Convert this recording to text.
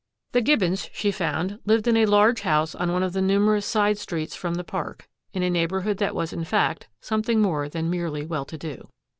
The Gibbons she found, lived in a large house on one of the numerous side streets from the Park, in a neighborhood that was in fact something more than merely well to do.